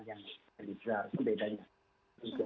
jadi seharusnya bedanya